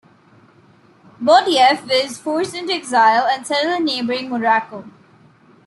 Boudiaf was forced into exile, and settled in neighbouring Morocco.